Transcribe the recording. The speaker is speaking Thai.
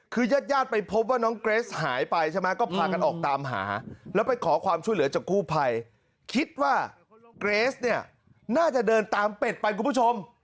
คิดว่าเกรสเนี่ยน่าจะเดินตามเป็ดไปคุณผู้ชม